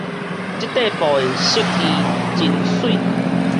這塊布的色緻真媠